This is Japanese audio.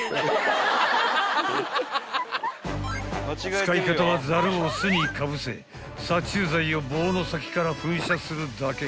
［使い方はザルを巣にかぶせ殺虫剤を棒の先から噴射するだけ］